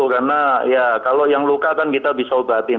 karena ya kalau yang luka kan kita bisa obatin